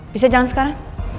bisa jalan sekarang